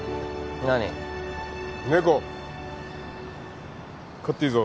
猫飼っていいぞ。